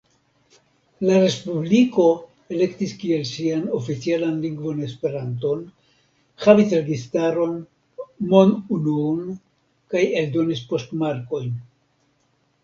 La ”respubliko” elektis kiel sian oficialan lingvon Esperanton, havis registaron, monunuon kaj eldonis poŝtmarkojn.